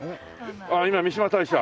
あっ今三嶋大社！